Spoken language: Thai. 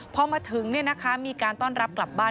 พอมาถึงมีการต้อนรับกลับบ้าน